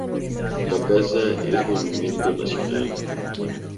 La casa es Monumento nacional.